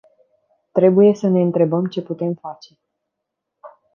Trebuie să ne întrebăm ce putem face.